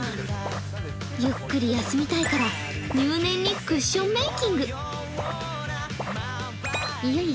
ゆっくり安みたいから、入念にクッションメイキング。